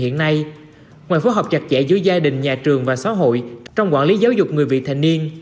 hiện nay ngoài phối hợp chặt chẽ giữa gia đình nhà trường và xã hội trong quản lý giáo dục người vị thành niên